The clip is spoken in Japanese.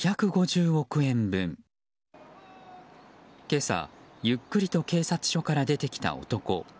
今朝、ゆっくりと警察署から出てきた男。